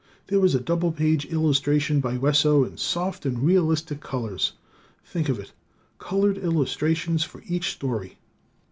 There was a double page illustration by Wesso in soft and realistic colors! Think of it! Colored illustrations for each story!